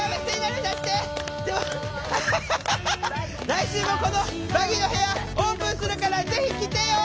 来週もこのバギーの部屋オープンするからぜひ来てよ！